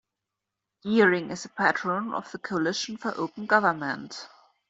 Geering is a patron of the Coalition for Open Government.